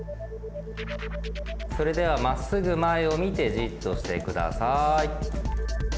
それではまっすぐ前を見てじっとしてください。